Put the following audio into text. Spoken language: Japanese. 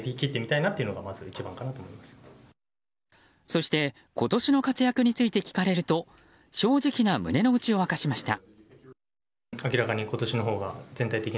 そして今年の活躍について聞かれると正直な胸の内を明かしました。